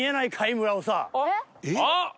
あっ！